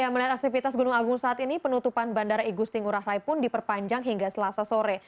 melihat aktivitas gunung agung saat ini penutupan bandara igusti ngurah rai pun diperpanjang hingga selasa sore